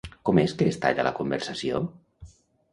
Com és que es talla la conversació?